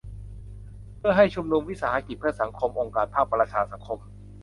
เพื่อให้ชุมชน วิสาหกิจเพื่อสังคม องค์กรภาคประชาสังคม